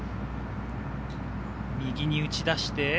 右に打ち出して。